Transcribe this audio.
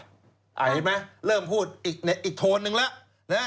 เห็นไหมเริ่มพูดอีกโทนนึงแล้ว